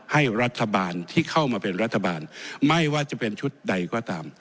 ให้รัฐบาลที่เข้ามาเป็นรัฐบาลไม่ว่าจะเป็นชุดใดก็ตาม